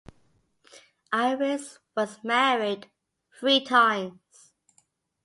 Ayres was married three times.